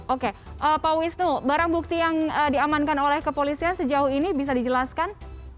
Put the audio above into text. oke pak wisnu barang bukti yang diamankan oleh kepolisian sejauh ini bisa dijelaskan